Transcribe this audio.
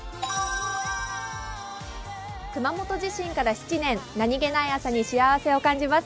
熊本地震から７年、何気ない朝に幸せを感じます。